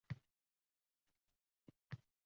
Iymon va ilmni bilgan qo’sh qanot –